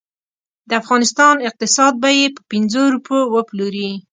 د افغانستان اقتصاد به یې په پنځو روپو وپلوري.